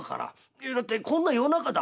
いやだってこんな夜中だ。